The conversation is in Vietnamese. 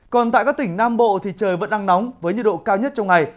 còn tại các tỉnh nam bộ thì trời vẫn đang nóng với nhiệt độ cao nhất trong ngày